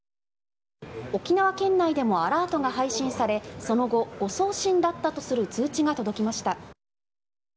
沖縄県内でもアラートが配信されその後、誤送信だったとする通知が届きました。